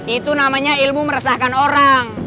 itu namanya ilmu meresahkan orang